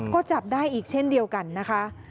ก็จับได้อีกเช่นเดียวกันนะคะ